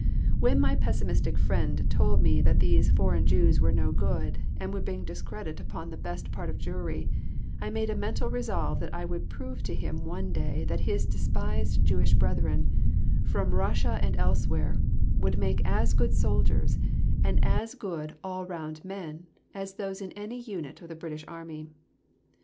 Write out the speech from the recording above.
When my pessimistic friend told me that these foreign Jews were no good, and would bring discredit upon the best part of Jewry, I made a mental resolve that I would prove to him one day that his despised Jewish brethren, from Russia and elsewhere, would make as good soldiers, and as good all round men, as those in any unit of the British Army.